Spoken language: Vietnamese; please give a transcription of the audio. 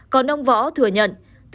còn ông võ thừa nhận